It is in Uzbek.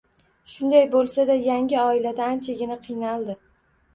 Shunday boʻlsa-da, yangi oilada anchagina qiynaldi